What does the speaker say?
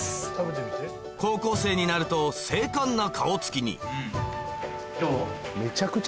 高校生になると精悍な顔つきにうん！